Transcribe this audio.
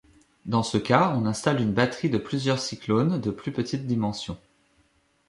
Dans ce cas, on installe une batterie de plusieurs cyclones de plus petite dimension.